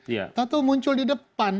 itu muncul di depan